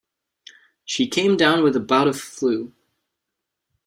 She came down with a bout of flu.